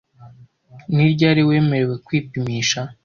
Ni ryari wemerewe kwipimisha